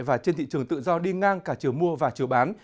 và trên thị trường tự do đi ngang cả chừa mua và chừa bán